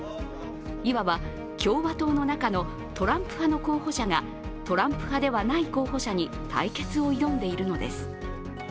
いわば共和党の中のトランプ派の候補者が、トランプ派ではない候補者に対決を挑んでいるのです。